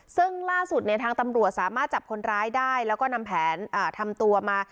ซึ่งล่าสุดเนี่ยทางตำรวจสามารถจับคนร้ายได้แล้วก็นำแผนทำตัวมา